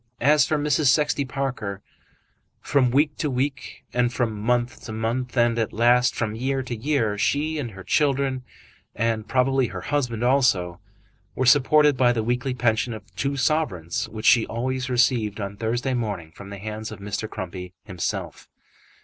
As for Mrs. Sexty Parker, from week to week, and from month to month, and at last from year to year, she and her children, and probably her husband also, were supported by the weekly pension of two sovereigns which she always received on Thursday morning from the hands of Mr. Crumpy himself.